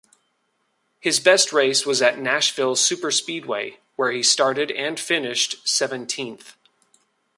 His best race was at Nashville Superspeedway, where he started and finished seventeenth.